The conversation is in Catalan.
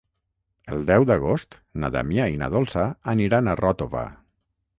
El deu d'agost na Damià i na Dolça aniran a Ròtova.